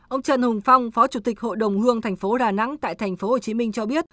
ông trần hùng phong phó chủ tịch hội đồng hương tp đà nẵng tại tp hcm cho biết